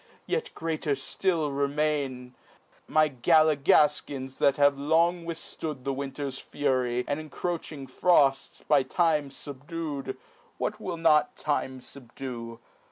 yet greater ftill remain : My Galligalkins that have long withftood The winter's fury, and incroaching frofts, By time fubdu'd, (what will not time fubdue